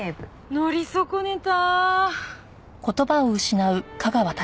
乗り損ねた。